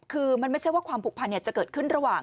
คือมันไม่ใช่ว่าความผูกพันจะเกิดขึ้นระหว่าง